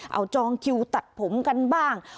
เอาจองคิวตัดผมกันบ้าง